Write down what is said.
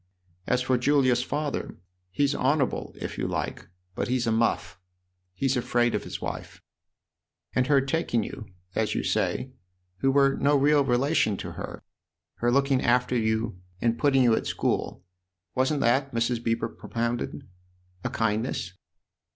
As for Julia's father, he's honourable if you like, but he's a muff. He's afraid of his wife." " And her ' taking ' you, as you say, who were no real relation to her her looking after you and put ting you at school : wasn't that," Mrs. Beever pro pounded, " a kindness